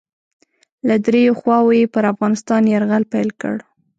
له دریو خواوو یې پر افغانستان یرغل پیل کړ.